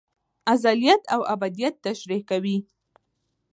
ازليت او ابديت تشريح کوي